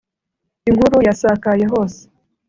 Inkuru yasakaye hose